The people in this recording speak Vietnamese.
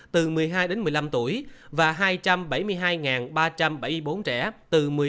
từ một mươi hai đến một mươi bảy tuổi hà nội sẽ triển khai tiêm vaccine covid một mươi chín cho toàn bộ trẻ từ một mươi hai đến một mươi bảy tuổi